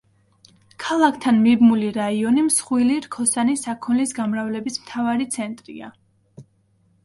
ქალაქთან მიბმული რაიონი მსხვილი რქოსანი საქონლის გამრავლების მთავარი ცენტრია.